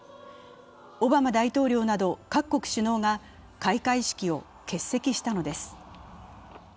オバマ大統領など各国首脳が開会式を欠席したのです。